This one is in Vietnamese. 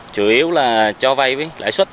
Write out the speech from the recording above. chủ yếu là cho vai lãi suất